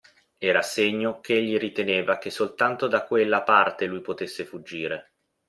Era segno ch'egli riteneva che soltanto da quella parte lui potesse fuggire.